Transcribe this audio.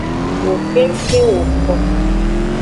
Wo kengkeng woko.